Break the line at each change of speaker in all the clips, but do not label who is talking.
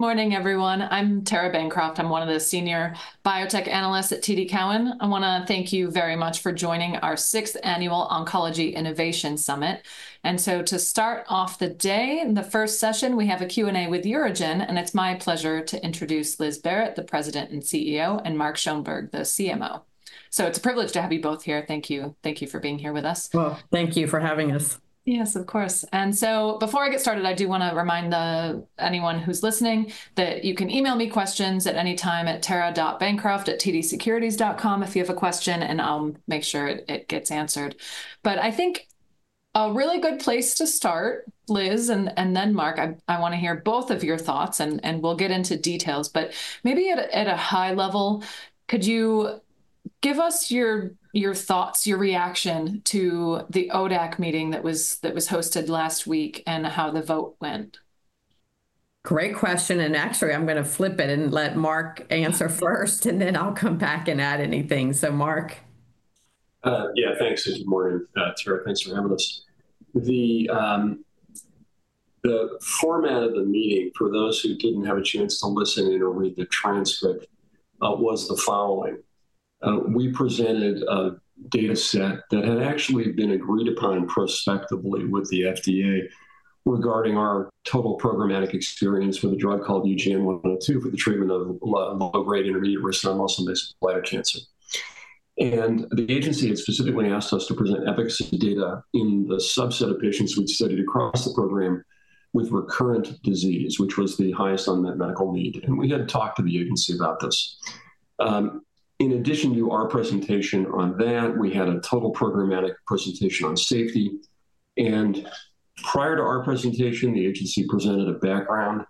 Good morning, everyone. I'm Tara Bancroft. I'm one of the senior biotech analysts at TD Cowen. I want to thank you very much for joining our sixth annual Oncology Innovation Summit. To start off the day, the first session, we have a Q&A with UroGen, and it's my pleasure to introduce Liz Barrett, the President and CEO, and Mark Schoenberg, the CMO. It's a privilege to have you both here. Thank you. Thank you for being here with us.
Thank you for having us.
Yes, of course. Before I get started, I do want to remind anyone who's listening that you can email me questions at any time at tara.bancroft@tdsecurities.com if you have a question, and I'll make sure it gets answered. I think a really good place to start, Liz, and then Mark, I want to hear both of your thoughts, and we'll get into details. Maybe at a high level, could you give us your thoughts, your reaction to the ODAC meeting that was hosted last week and how the vote went?
Great question. Actually, I'm going to flip it and let Mark answer first, and then I'll come back and add anything. Mark.
Yeah, thanks. Good morning, Tara. Thanks for having us. The format of the meeting, for those who didn't have a chance to listen in or read the transcript, was the following. We presented a data set that had actually been agreed upon prospectively with the FDA regarding our total programmatic experience with a drug called UGN-102 for the treatment of low-grade, intermediate-risk non-muscle invasive bladder cancer. The agency had specifically asked us to present efficacy data in the subset of patients we'd studied across the program with recurrent disease, which was the highest unmet medical need. We had talked to the agency about this. In addition to our presentation on that, we had a total programmatic presentation on safety. Prior to our presentation, the agency presented a background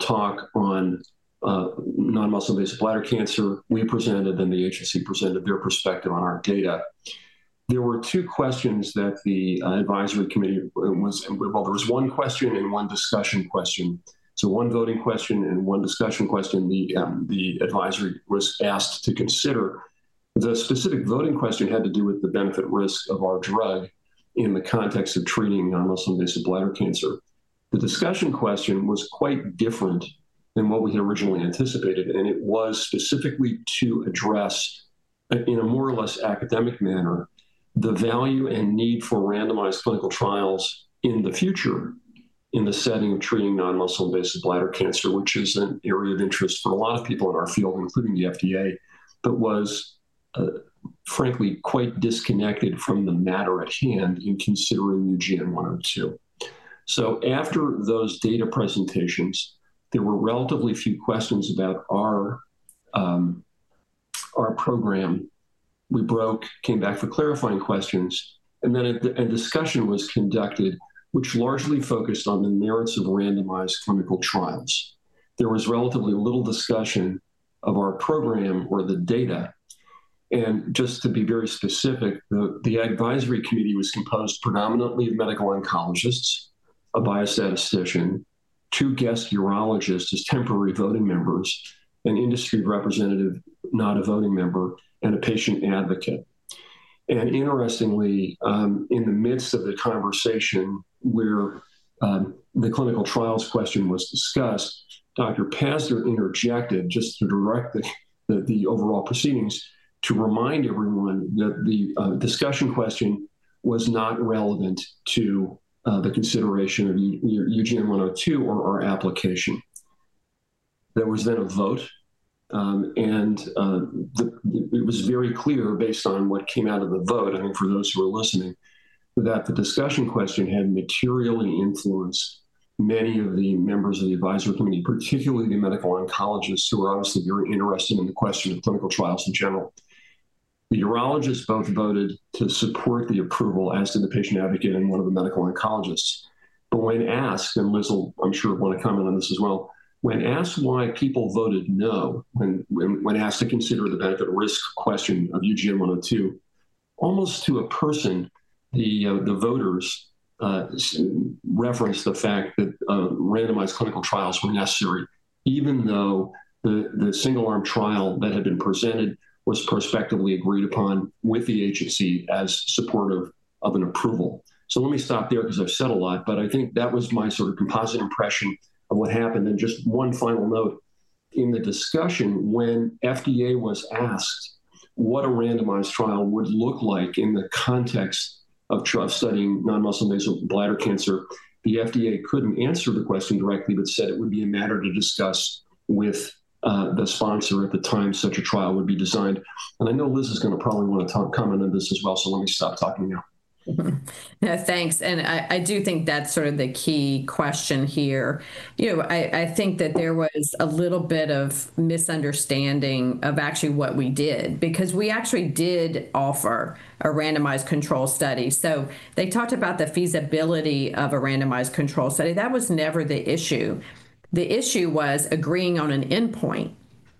talk on non-muscle invasive bladder cancer. We presented, then the agency presented their perspective on our data. There were two questions that the advisory committee was, well, there was one question and one discussion question. One voting question and one discussion question the advisory was asked to consider. The specific voting question had to do with the benefit-risk of our drug in the context of treating non-muscle invasive bladder cancer. The discussion question was quite different than what we had originally anticipated, and it was specifically to address, in a more or less academic manner, the value and need for randomized clinical trials in the future in the setting of treating non-muscle invasive bladder cancer, which is an area of interest for a lot of people in our field, including the FDA, but was, frankly, quite disconnected from the matter at hand in considering UGN-102. After those data presentations, there were relatively few questions about our program. We broke, came back for clarifying questions, and then a discussion was conducted, which largely focused on the merits of randomized clinical trials. There was relatively little discussion of our program or the data. To be very specific, the advisory committee was composed predominantly of medical oncologists, a biostatistician, two guest urologists as temporary voting members, an industry representative not a voting member, and a patient advocate. Interestingly, in the midst of the conversation where the clinical trials question was discussed, Dr. Pazdur interjected, just to direct the overall proceedings, to remind everyone that the discussion question was not relevant to the consideration of UGN-102 or our application. There was then a vote, and it was very clear, based on what came out of the vote, I think for those who were listening, that the discussion question had materially influenced many of the members of the advisory committee, particularly the medical oncologists, who were obviously very interested in the question of clinical trials in general. The urologists both voted to support the approval, as did the patient advocate and one of the medical oncologists. When asked, and Liz will, I'm sure, want to comment on this as well, when asked why people voted no when asked to consider the benefit-risk question of UGN-102, almost to a person, the voters referenced the fact that randomized clinical trials were necessary, even though the single-arm trial that had been presented was prospectively agreed upon with the agency as supportive of an approval. Let me stop there because I've said a lot, but I think that was my sort of composite impression of what happened. Just one final note. In the discussion, when FDA was asked what a randomized trial would look like in the context of studying non-muscle-based bladder cancer, the FDA could not answer the question directly, but said it would be a matter to discuss with the sponsor at the time such a trial would be designed. I know Liz is going to probably want to comment on this as well, so let me stop talking now.
Thanks. I do think that's sort of the key question here. I think that there was a little bit of misunderstanding of actually what we did, because we actually did offer a randomized control study. They talked about the feasibility of a randomized control study. That was never the issue. The issue was agreeing on an endpoint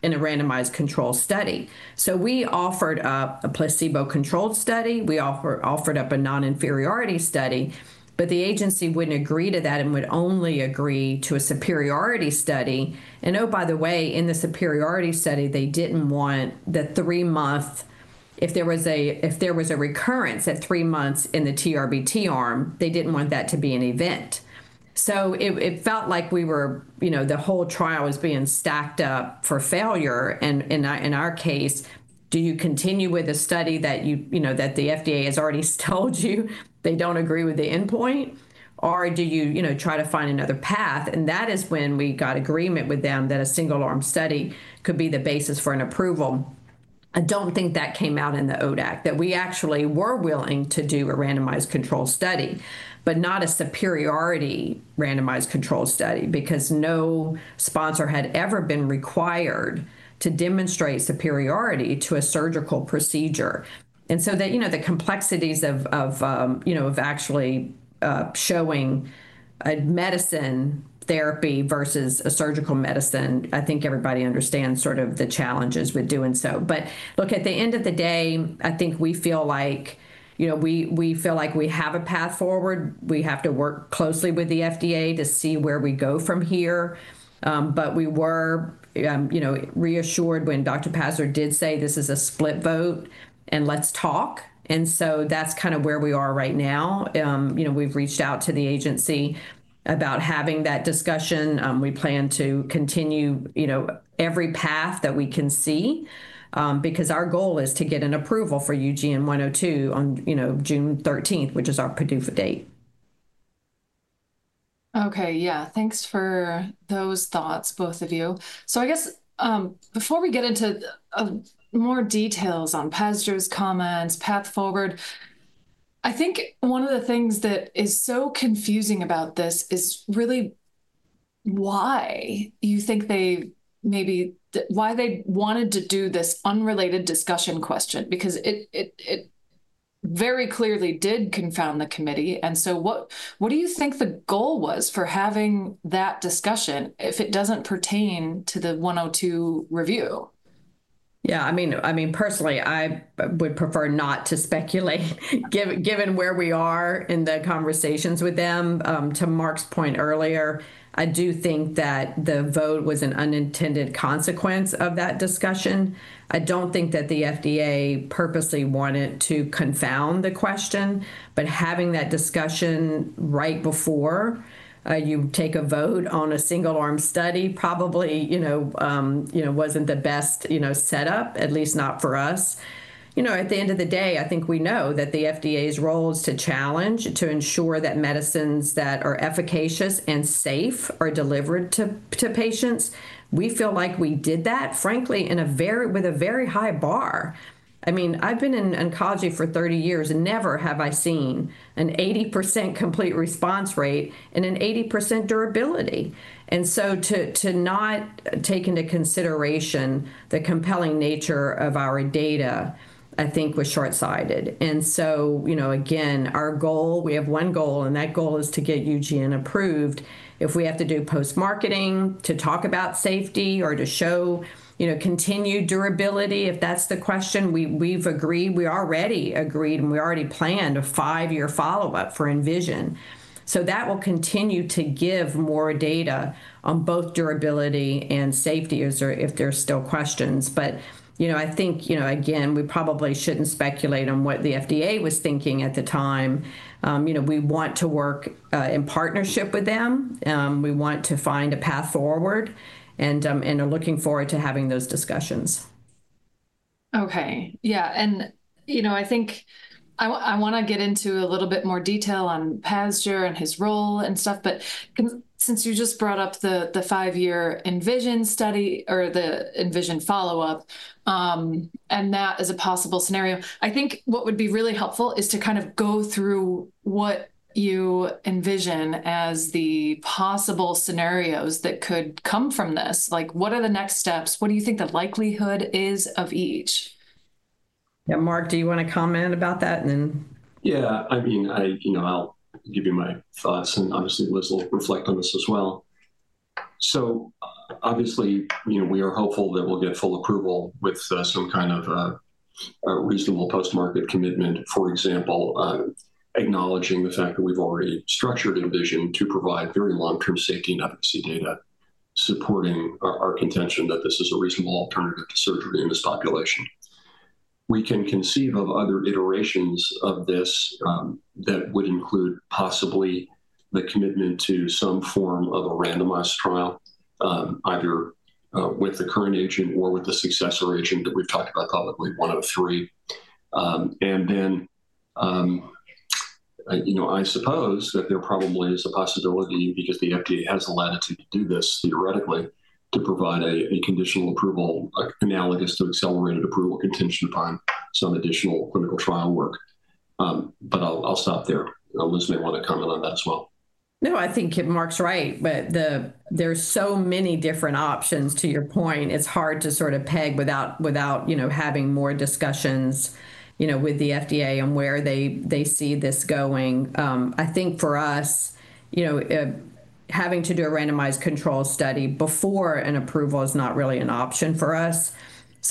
in a randomized control study. We offered a placebo-controlled study. We offered up a non-inferiority study, but the agency would not agree to that and would only agree to a superiority study. Oh, by the way, in the superiority study, they did not want the three-month, if there was a recurrence at three months in the TURBT arm, they did not want that to be an event. It felt like we were, you know, the whole trial was being stacked up for failure. In our case, do you continue with a study that you, you know, that the FDA has already told you they don't agree with the endpoint, or do you, you know, try to find another path? That is when we got agreement with them that a single-arm study could be the basis for an approval. I don't think that came out in the ODAC, that we actually were willing to do a randomized control study, but not a superiority randomized control study, because no sponsor had ever been required to demonstrate superiority to a surgical procedure. The complexities of, you know, of actually showing a medicine therapy versus a surgical medicine, I think everybody understands sort of the challenges with doing so. Look, at the end of the day, I think we feel like, you know, we feel like we have a path forward. We have to work closely with the FDA to see where we go from here. We were, you know, reassured when Dr. Pazdur did say, "This is a split vote, and let's talk." That is kind of where we are right now. You know, we've reached out to the agency about having that discussion. We plan to continue, you know, every path that we can see, because our goal is to get an approval for UGN-102 on, you know, June 13th, which is our PDUFA date.
Okay. Yeah. Thanks for those thoughts, both of you. I guess before we get into more details on Pazdur's comments, path forward, I think one of the things that is so confusing about this is really why you think they maybe why they wanted to do this unrelated discussion question, because it very clearly did confound the committee. What do you think the goal was for having that discussion if it doesn't pertain to the 102 review?
Yeah. I mean, personally, I would prefer not to speculate. Given where we are in the conversations with them, to Mark's point earlier, I do think that the vote was an unintended consequence of that discussion. I do not think that the FDA purposely wanted to confound the question, but having that discussion right before you take a vote on a single-arm study probably, you know, was not the best, you know, setup, at least not for us. You know, at the end of the day, I think we know that the FDA's role is to challenge, to ensure that medicines that are efficacious and safe are delivered to patients. We feel like we did that, frankly, with a very high bar. I mean, I have been in oncology for 30 years, and never have I seen an 80% complete response rate and an 80% durability. To not take into consideration the compelling nature of our data, I think was shortsighted. You know, again, our goal, we have one goal, and that goal is to get UGN approved. If we have to do post-marketing to talk about safety or to show, you know, continued durability, if that's the question, we've agreed, we already agreed, and we already planned a five-year follow-up for ENVISION. That will continue to give more data on both durability and safety if there are still questions. You know, I think, you know, again, we probably shouldn't speculate on what the FDA was thinking at the time. You know, we want to work in partnership with them. We want to find a path forward and are looking forward to having those discussions.
Okay. Yeah. You know, I think I want to get into a little bit more detail on Pazdur and his role and stuff, but since you just brought up the five-year ENVISION study or the ENVISION follow-up, and that as a possible scenario, I think what would be really helpful is to kind of go through what you envision as the possible scenarios that could come from this. Like, what are the next steps? What do you think the likelihood is of each?
Yeah. Mark, do you want to comment about that? And then.
Yeah. I mean, I, you know, I'll give you my thoughts, and obviously, Liz will reflect on this as well. Obviously, you know, we are hopeful that we'll get full approval with some kind of a reasonable post-market commitment, for example, acknowledging the fact that we've already structured ENVISION to provide very long-term safety and efficacy data supporting our contention that this is a reasonable alternative to surgery in this population. We can conceive of other iterations of this that would include possibly the commitment to some form of a randomized trial, either with the current agent or with the successor agent that we've talked about publicly, 103. I suppose that there probably is a possibility, because the FDA has the latitude to do this theoretically, to provide a conditional approval analogous to accelerated approval contingent upon some additional clinical trial work. I'll stop there. Liz may want to comment on that as well.
No, I think Mark's right, but there's so many different options. To your point, it's hard to sort of peg without, you know, having more discussions, you know, with the FDA on where they see this going. I think for us, you know, having to do a randomized control study before an approval is not really an option for us.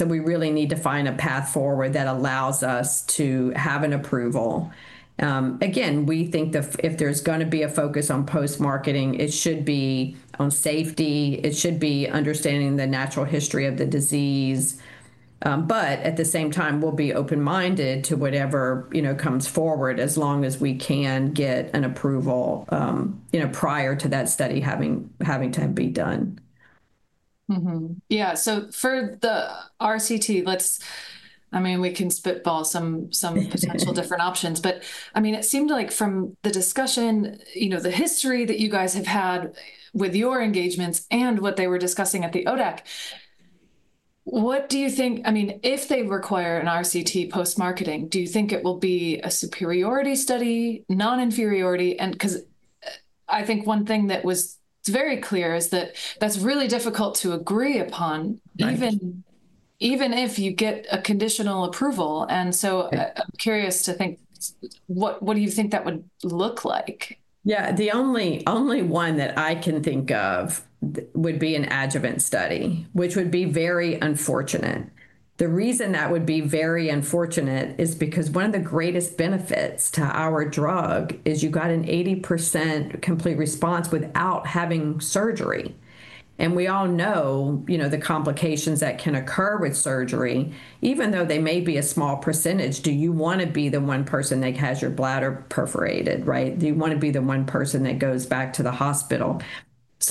We really need to find a path forward that allows us to have an approval. Again, we think if there's going to be a focus on post-marketing, it should be on safety. It should be understanding the natural history of the disease. At the same time, we'll be open-minded to whatever, you know, comes forward as long as we can get an approval, you know, prior to that study having to be done.
Yeah. For the RCT, let's, I mean, we can spitball some potential different options, but I mean, it seemed like from the discussion, you know, the history that you guys have had with your engagements and what they were discussing at the ODAC, what do you think, I mean, if they require an RCT post-marketing, do you think it will be a superiority study, non-inferiority? I think one thing that was very clear is that that's really difficult to agree upon, even if you get a conditional approval. I'm curious to think, what do you think that would look like?
Yeah. The only one that I can think of would be an adjuvant study, which would be very unfortunate. The reason that would be very unfortunate is because one of the greatest benefits to our drug is you got an 80% complete response without having surgery. And we all know, you know, the complications that can occur with surgery, even though they may be a small percentage, do you want to be the one person that has your bladder perforated, right? Do you want to be the one person that goes back to the hospital?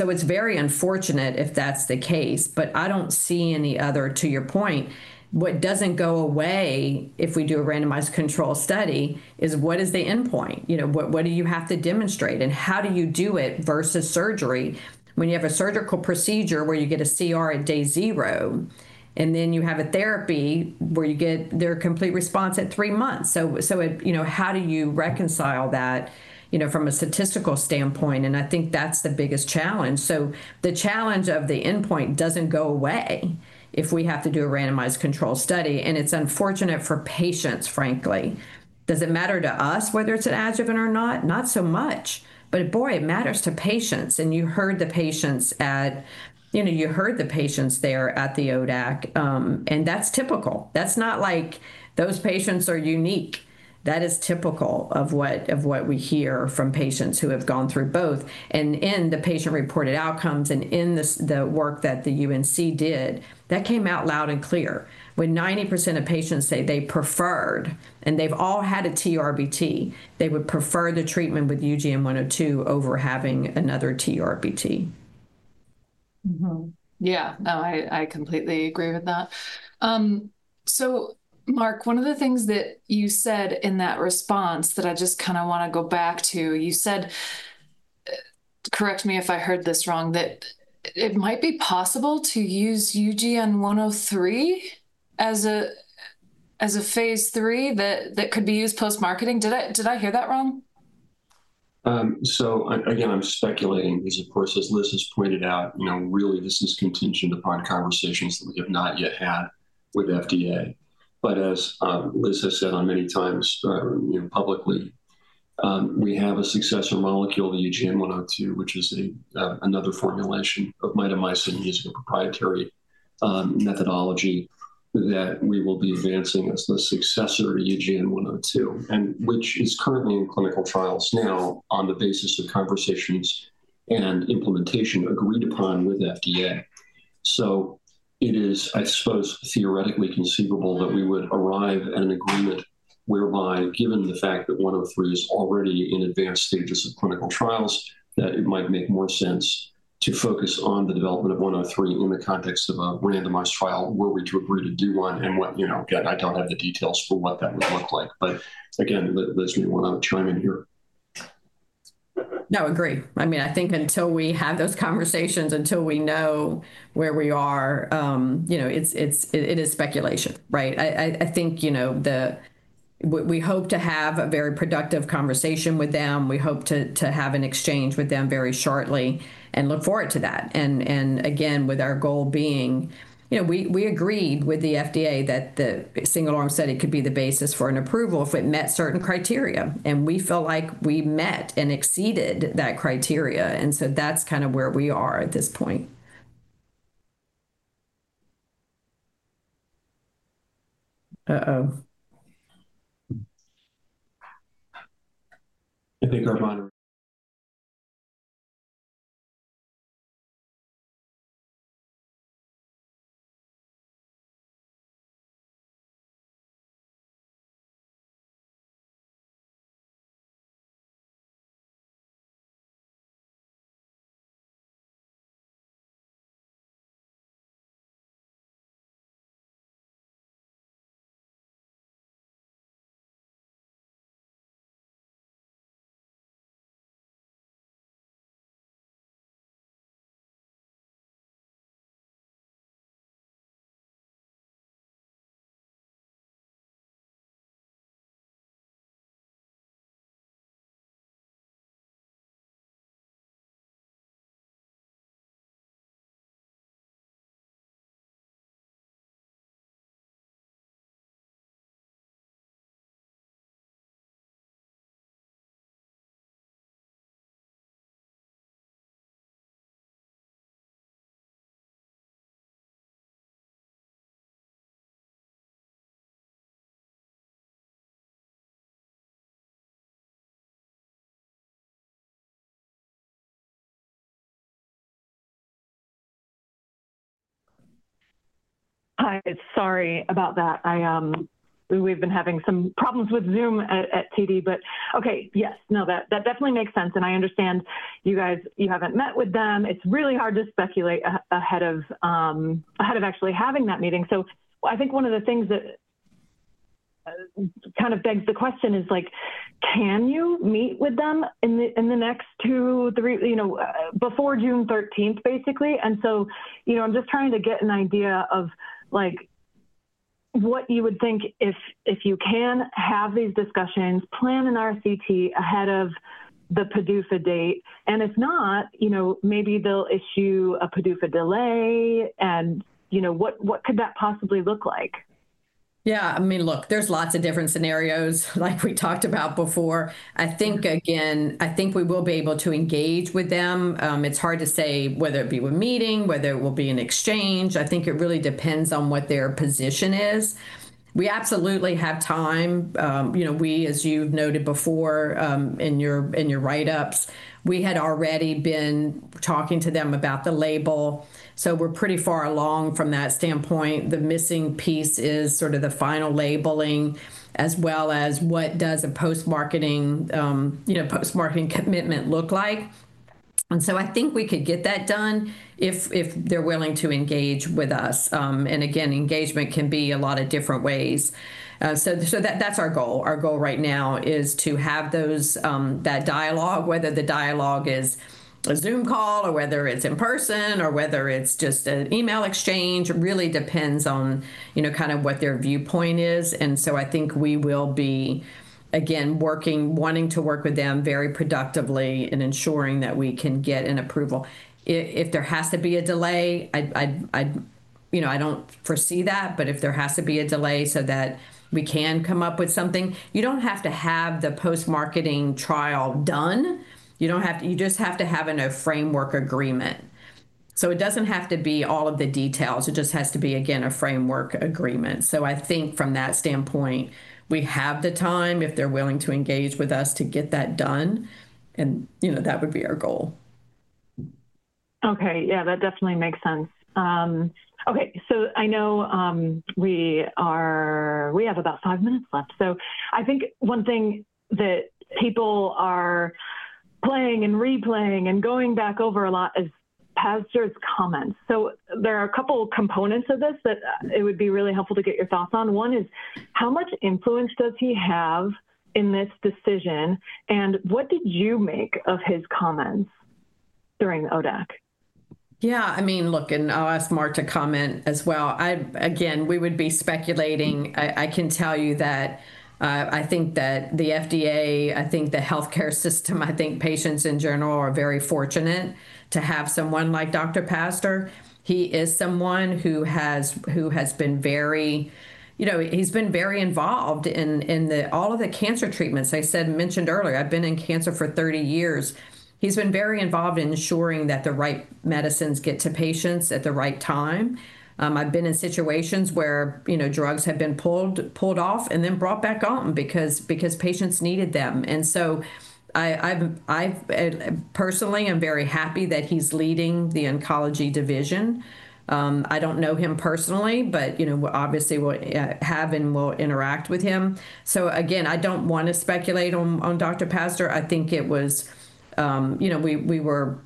It is very unfortunate if that's the case, but I don't see any other, to your point, what doesn't go away if we do a randomized control study is what is the endpoint? You know, what do you have to demonstrate? How do you do it versus surgery when you have a surgical procedure where you get a CR at Day Zero, and then you have a therapy where you get their complete response at three months? You know, how do you reconcile that, you know, from a statistical standpoint? I think that's the biggest challenge. The challenge of the endpoint doesn't go away if we have to do a randomized control study. It's unfortunate for patients, frankly. Does it matter to us whether it's an adjuvant or not? Not so much. Boy, it matters to patients. You heard the patients at, you know, you heard the patients there at the ODAC. That's typical. That's not like those patients are unique. That is typical of what we hear from patients who have gone through both. In the patient-reported outcomes and in the work that the UNC did, that came out loud and clear. When 90% of patients say they preferred, and they've all had a TURBT, they would prefer the treatment with UGN-102 over having another TURBT.
Yeah. No, I completely agree with that. Mark, one of the things that you said in that response that I just kind of want to go back to, you said, correct me if I heard this wrong, that it might be possible to use UGN-103 as a phase III that could be used post-marketing. Did I hear that wrong?
Again, I'm speculating, because, of course, as Liz has pointed out, you know, really, this is contingent upon conversations that we have not yet had with the FDA. As Liz has said many times, you know, publicly, we have a successor molecule, the UGN-103, which is another formulation of mitomycin using a proprietary methodology that we will be advancing as the successor to UGN-102, and which is currently in clinical trials now on the basis of conversations and implementation agreed upon with the FDA. It is, I suppose, theoretically conceivable that we would arrive at an agreement whereby, given the fact that 103 is already in advanced stages of clinical trials, it might make more sense to focus on the development of 103 in the context of a randomized trial. Were we to agree to do one and what, you know, again, I don't have the details for what that would look like. Again, Liz, do you want to chime in here?
No, agree. I mean, I think until we have those conversations, until we know where we are, you know, it is speculation, right? I think, you know, we hope to have a very productive conversation with them. We hope to have an exchange with them very shortly and look forward to that. Again, with our goal being, you know, we agreed with the FDA that the single-arm study could be the basis for an approval if it met certain criteria. We feel like we met and exceeded that criteria. That is kind of where we are at this point. Uh-oh.
I think our monitor.
Hi. Sorry about that. We've been having some problems with Zoom at TD, but okay. Yes. No, that definitely makes sense. I understand you guys, you haven't met with them. It's really hard to speculate ahead of actually having that meeting. I think one of the things that kind of begs the question is, like, can you meet with them in the next two, three, you know, before June 13th, basically? You know, I'm just trying to get an idea of, like, what you would think if you can have these discussions, plan an RCT ahead of the PDUFA date. If not, you know, maybe they'll issue a PDUFA delay. You know, what could that possibly look like?
Yeah. I mean, look, there's lots of different scenarios, like we talked about before. I think, again, I think we will be able to engage with them. It's hard to say whether it be a meeting, whether it will be an exchange. I think it really depends on what their position is. We absolutely have time. You know, we, as you've noted before in your write-ups, we had already been talking to them about the label. So, we're pretty far along from that standpoint. The missing piece is sort of the final labeling, as well as what does a post-marketing, you know, post-marketing commitment look like. I think we could get that done if they're willing to engage with us. Again, engagement can be a lot of different ways. That's our goal. Our goal right now is to have that dialogue, whether the dialogue is a Zoom call or whether it is in person or whether it is just an email exchange. It really depends on, you know, kind of what their viewpoint is. I think we will be, again, working, wanting to work with them very productively and ensuring that we can get an approval. If there has to be a delay, I, you know, I do not foresee that, but if there has to be a delay so that we can come up with something, you do not have to have the post-marketing trial done. You do not have to, you just have to have a framework agreement. It does not have to be all of the details. It just has to be, again, a framework agreement. I think from that standpoint, we have the time, if they're willing to engage with us, to get that done. You know, that would be our goal.
Okay. Yeah, that definitely makes sense. Okay. I know we have about five minutes left. I think one thing that people are playing and replaying and going back over a lot is Pazdur's comments. There are a couple of components of this that it would be really helpful to get your thoughts on. One is, how much influence does he have in this decision? What did you make of his comments during the ODAC?
Yeah. I mean, look, and I'll ask Mark to comment as well. Again, we would be speculating. I can tell you that I think that the FDA, I think the healthcare system, I think patients in general are very fortunate to have someone like Dr. Pazdur. He is someone who has been very, you know, he's been very involved in all of the cancer treatments. I mentioned earlier, I've been in cancer for 30 years. He's been very involved in ensuring that the right medicines get to patients at the right time. I've been in situations where, you know, drugs have been pulled off and then brought back on because patients needed them. I personally am very happy that he's leading the oncology division. I don't know him personally, but, you know, obviously we'll have and we'll interact with him. Again, I don't want to speculate on Dr. Pazdur. I think it was, you know, we were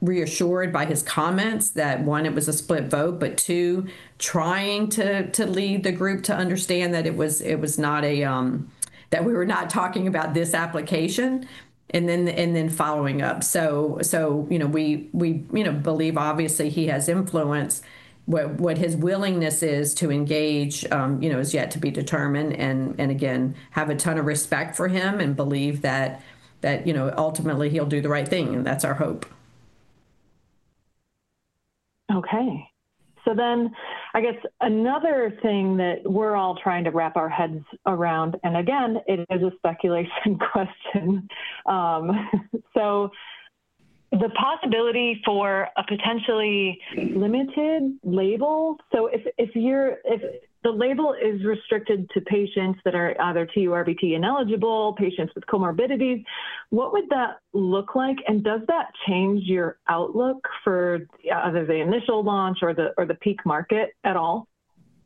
reassured by his comments that, one, it was a split vote, but two, trying to lead the group to understand that it was not a, that we were not talking about this application and then following up. You know, we, you know, believe, obviously, he has influence. What his willingness is to engage, you know, is yet to be determined. Again, have a ton of respect for him and believe that, you know, ultimately he'll do the right thing. That's our hope.
Okay. So then, I guess another thing that we're all trying to wrap our heads around, and again, it is a speculation question. The possibility for a potentially limited label. If the label is restricted to patients that are either TURBT ineligible, patients with comorbidities, what would that look like? Does that change your outlook for either the initial launch or the peak market at all?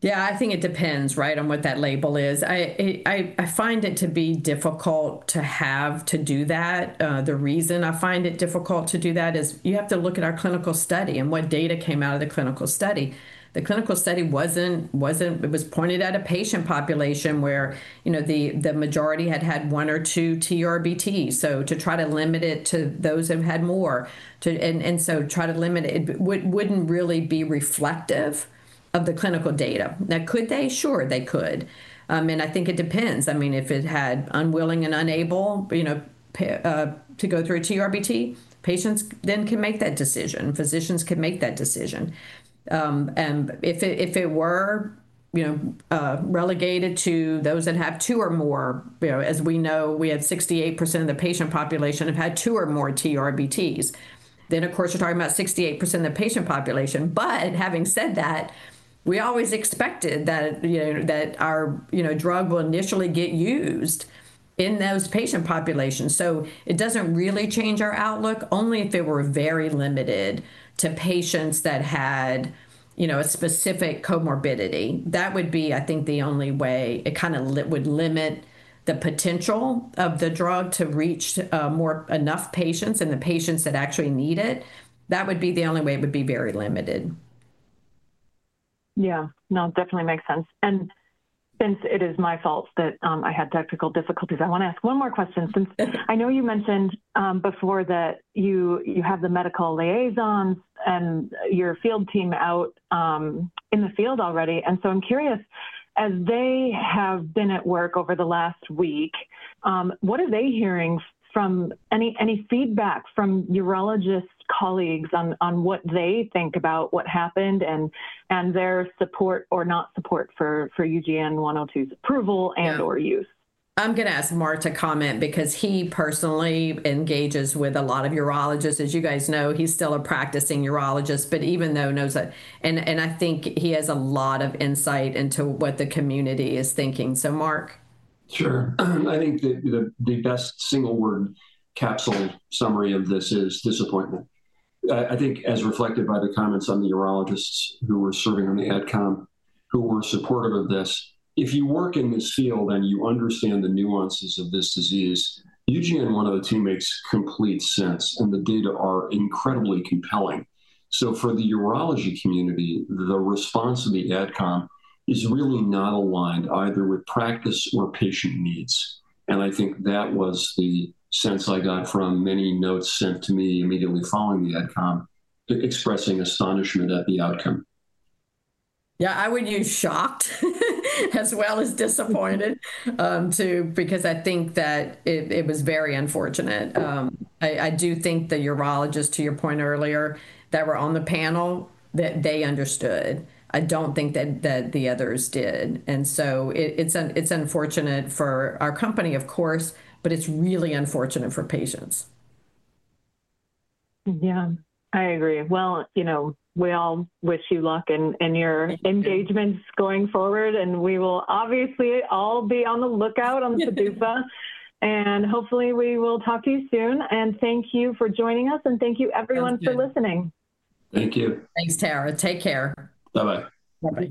Yeah, I think it depends, right, on what that label is. I find it to be difficult to have to do that. The reason I find it difficult to do that is you have to look at our clinical study and what data came out of the clinical study. The clinical study wasn't, it was pointed at a patient population where, you know, the majority had had one or two TURBTs. To try to limit it to those who had more, and to try to limit it, it wouldn't really be reflective of the clinical data. Now, could they? Sure, they could. I think it depends. I mean, if it had unwilling and unable, you know, to go through a TURBT, patients then can make that decision. Physicians can make that decision. If it were, you know, relegated to those that have two or more, you know, as we know, we have 68% of the patient population have had two or more TURBTs, you are talking about 68% of the patient population. Having said that, we always expected that, you know, our, you know, drug will initially get used in those patient populations. It does not really change our outlook only if it were very limited to patients that had, you know, a specific comorbidity. That would be, I think, the only way it kind of would limit the potential of the drug to reach more enough patients and the patients that actually need it. That would be the only way it would be very limited.
Yeah. No, definitely makes sense. Since it is my fault that I had technical difficulties, I want to ask one more question. I know you mentioned before that you have the medical liaisons and your field team out in the field already. I am curious, as they have been at work over the last week, what are they hearing from any feedback from urologist colleagues on what they think about what happened and their support or not support for UGN-102's approval and/or use?
I'm going to ask Mark to comment because he personally engages with a lot of urologists. As you guys know, he's still a practicing urologist, but even though he knows that, and I think he has a lot of insight into what the community is thinking. So, Mark.
Sure. I think the best single-word capsule summary of this is disappointment. I think as reflected by the comments on the urologists who were serving on the adcom who were supportive of this, if you work in this field and you understand the nuances of this disease, UGN-102 makes complete sense, and the data are incredibly compelling. For the urology community, the response of the adcom is really not aligned either with practice or patient needs. I think that was the sense I got from many notes sent to me immediately following the adcom expressing astonishment at the outcome.
Yeah, I would use shocked as well as disappointed too, because I think that it was very unfortunate. I do think the urologists, to your point earlier, that were on the panel, that they understood. I do not think that the others did. It is unfortunate for our company, of course, but it is really unfortunate for patients.
Yeah, I agree. You know, we all wish you luck in your engagements going forward, and we will obviously all be on the lookout on the PDUFA. Hopefully, we will talk to you soon. Thank you for joining us, and thank you, everyone, for listening.
Thank you.
Thanks, Tara. Take care.
Bye-bye.
Bye-bye.